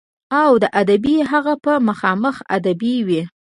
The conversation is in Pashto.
او د ادبي هغه به خامخا ادبي وي.